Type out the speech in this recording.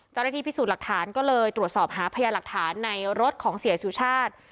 เจ้าหน้าที่พิสูจน์หลักฐานก็เลยตรวจสอบหาพยาหลักฐานในรถของเสียสุชาติ